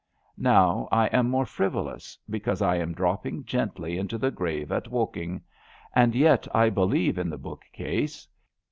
Now I am more frivo lous because I am dropping gently into the grave at Woking; and yet I believe in the bookcase.